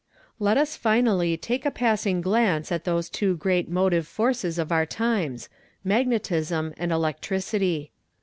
Let us finally take a passing glance at those two great motive forces bee of our times, magnetism and electricity.